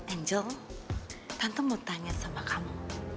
angel tante mau tanya sama kamu